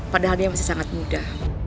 padahal dia masih sangat mudah